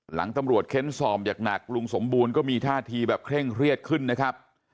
หลังตำรวจเค้นสอบอย่างหนักลุงสมบูรณ์ก็มีท่าทีแบบเคร่งเครียดขึ้นนะครับ